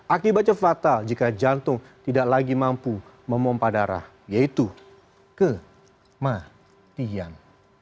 akibatnya fatal jika jantung tidak lagi mampu memompah darah yaitu kematian